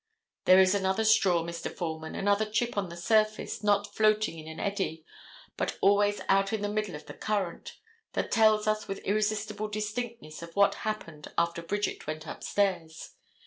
There is another straw, Mr. Foreman, another chip on the surface, not floating in an eddy, but always out in the middle of the currant, that tells us with irresistible distinctness of what happened after Bridget went upstairs.